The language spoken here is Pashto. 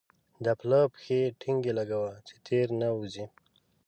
دا پلا پښې ټينګې لګوه چې تېر نه وزې.